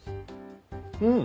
うん！